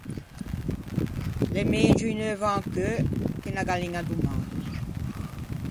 L’é megio un euvo ancheu che unna galliña doman.